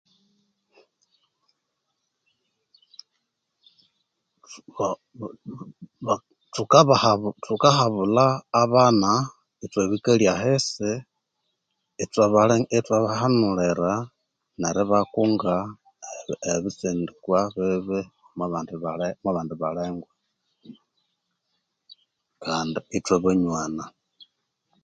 Ma ba ma thukabaha thukabahabulha abana itjwa bikalya ahisi ithwabale, ithwa bahanulira neri bakunga ebi ebi ebitsindikwa bibi bale omubandi balengwa, kandi ithwa banywana